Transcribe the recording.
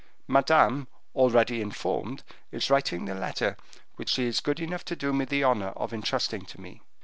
Madame, already informed, is writing the letter which she is good enough to do me the honor of intrusting to me.